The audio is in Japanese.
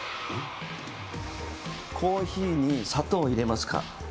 コーヒーに砂糖を入れますか？